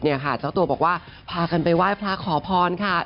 เนี่ยค่ะเจ้าตัวบอกว่าพากันไปไหว้พระขอพรค่ะ